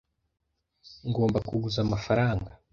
Ngomba kuguza amafaranga.